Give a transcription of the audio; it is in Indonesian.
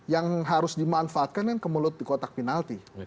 yang harus dimanfaatkan kan kemelut di kotak penalti